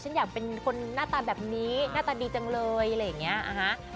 ฉันอยากเป็นคนหน้าตาแบบนี้หน้าตาดีจังเลยอะไรอย่างนี้นะคะ